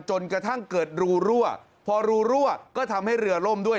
จนกระทั่งเกิดรูรั่วพอรูรั่วก็ทำให้เรือล่มด้วย